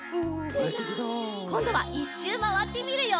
こんどはいっしゅうまわってみるよ。